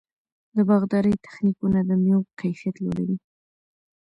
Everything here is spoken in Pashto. د باغدارۍ تخنیکونه د مېوو کیفیت لوړوي.